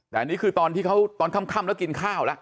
แต่อันนี้คือตอนที่เขาตอนค่ำแล้วกินข้าวแล้ว